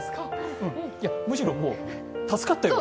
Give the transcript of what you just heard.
むしろ助かったよ。